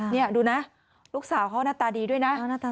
นี่ดูนะลูกสาวเขาหน้าตาดีด้วยนะ